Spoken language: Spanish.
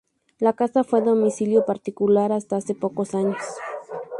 La casa fue domicilio particular hasta hace pocos años.